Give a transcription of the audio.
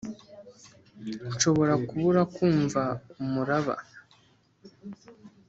nshobora kubura kumva umuraba.